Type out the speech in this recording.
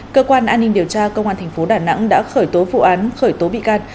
cơ quan an ninh điều tra công an thành phố đà nẵng đã khởi tố vụ án khởi tố bị can